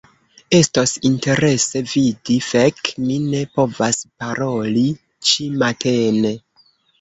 Estos interese vidi... fek' mi ne povas paroli ĉi-matene